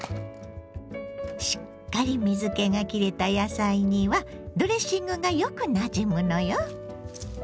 しっかり水けがきれた野菜にはドレッシングがよくなじむのよ。